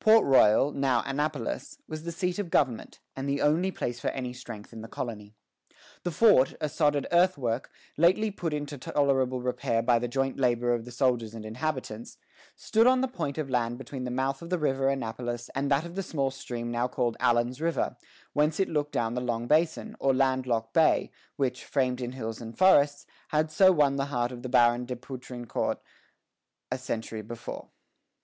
Port Royal, now Annapolis, was the seat of government, and the only place of any strength in the colony. The fort, a sodded earthwork, lately put into tolerable repair by the joint labor of the soldiers and inhabitants, stood on the point of land between the mouth of the river Annapolis and that of the small stream now called Allen's River, whence it looked down the long basin, or land locked bay, which, framed in hills and forests, had so won the heart of the Baron de Poutrincourt a century before.